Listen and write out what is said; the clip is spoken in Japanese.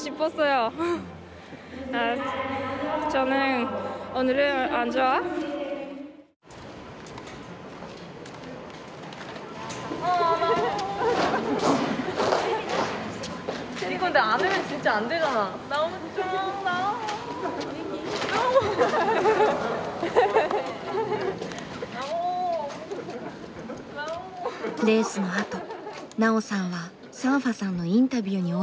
レースのあと奈緒さんはサンファさんのインタビューに応じました。